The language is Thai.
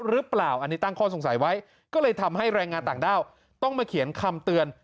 หรือเปล่าอันนี้ตั้งข้อสงสัยไว้ก็เลยทำให้แรงงานต่างด้าวต้องมาเขียนคำเตือน